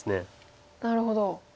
なるほど。